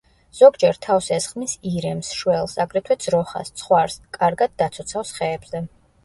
ზოგჯერ თავს ესხმის ირემს, შველს, აგრეთვე ძროხას, ცხვარს; კარგად დაცოცავს ხეებზე.